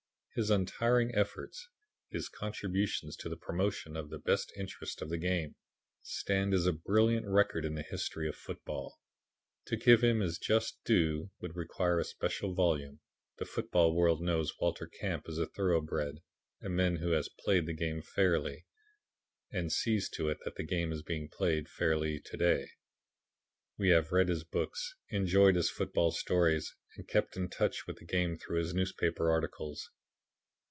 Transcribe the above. His untiring efforts, his contributions to the promotion of the best interests of the game, stand as a brilliant record in the history of football. To give him his just due would require a special volume. The football world knows Walter Camp as a thoroughbred, a man who has played the game fairly, and sees to it that the game is being played fairly to day. We have read his books, enjoyed his football stories, and kept in touch with the game through his newspaper articles.